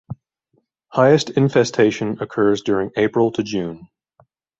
Highest infestation occurs during April to June.